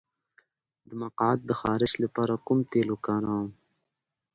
د مقعد د خارش لپاره کوم تېل وکاروم؟